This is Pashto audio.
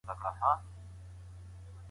یوه څېړنه ښایي د فقر کچه څرګنده کړي.